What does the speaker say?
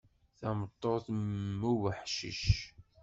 Tameṭṭut mm ubuḥcic.